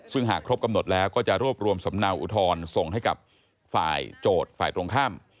ซึ่งหากครบกำหนดแล้วก็จะรวบรวมสำเนาอุทธรณ์ส่งให้กับฝ่ายโจทย์ฝ่ายตรงข้าม